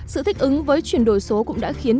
sự thích ứng với chuyển đổi số cũng đã khiến